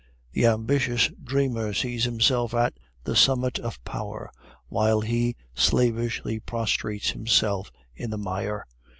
The ambitious dreamer sees himself at the summit of power, while he slavishly prostrates himself in the mire.